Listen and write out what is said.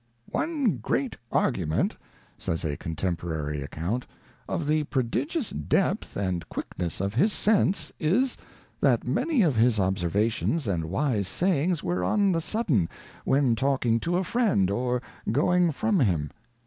' One great argument ', says a con temporary account, ' of the prodigious depth and quickness of his sense is, that many of his observations and wise sayings were on the sudden, when talking to a friend or going from him.'